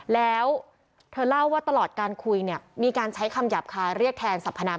แล้วเธอเล่าว่าตลอดการคุยเนี่ยมีการใช้คำหยาบคายเรียกแทนสัพพนาม